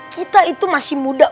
kita itu masih muda